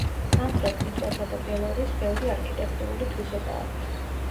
სამხრეთ ლიტვასა და ბელარუსს ბევრი არქიტექტურული თვისება აქვთ.